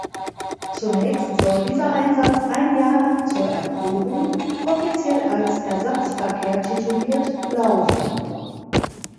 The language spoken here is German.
Zunächst soll dieser Einsatz ein Jahr lang zur Erprobung, offiziell als Ersatzverkehr tituliert, laufen.